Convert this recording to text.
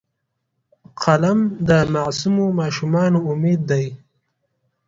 قلم د معصومو ماشومانو امید دی